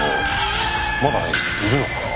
まだいるのかな